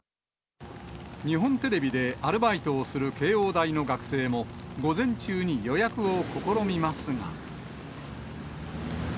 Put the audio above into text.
日本テレビでアルバイトをする慶応大の学生も、午前中に予約を試みますが。